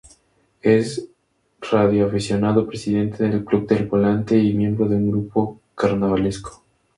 Es radioaficionado, presidente del Club del Volante y miembro de un grupo carnavalesco.